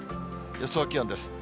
予想気温です。